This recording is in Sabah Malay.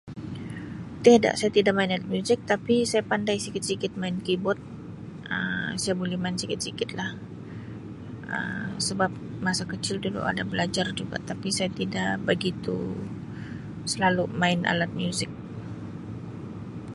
Tiada, saya tiada main alat muzik tapi saya pandai sikit-sikit main keyboard Um saya boleh main sikit-sikit lah Um sebab masa kecil dulu ada belajar juga tapi saya tida begitu selalu main alat muzik.